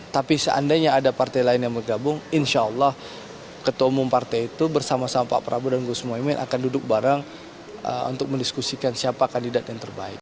tapi seandainya ada partai lain yang bergabung insya allah ketua umum partai itu bersama sama pak prabowo dan gus muhaymin akan duduk bareng untuk mendiskusikan siapa kandidat yang terbaik